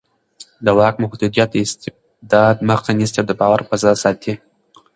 د واک محدودیت د استبداد مخه نیسي او د باور فضا ساتي